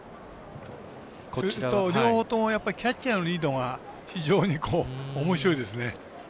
両方ともキャッチャーのリードが非常におもしろいですね。